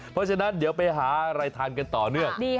เพราะฉะนั้นเดี๋ยวไปหาอะไรทานกันต่อเนื่อง